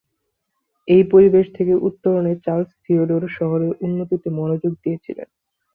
এই পরিবেশ থেকে উত্তরণে, চার্লস থিওডোর শহরের উন্নতিতে মনোযোগ দিয়েছিলেন।